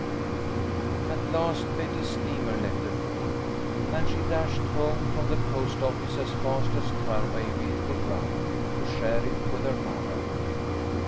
At last Betty's steamer letter came, and she dashed home from the post office as fast as Tarbaby could run, to share it with her mother.